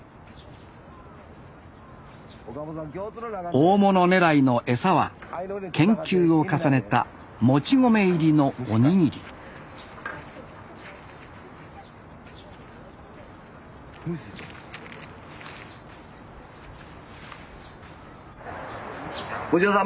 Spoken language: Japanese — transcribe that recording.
大物狙いの餌は研究を重ねたもち米入りのおにぎり藤原さん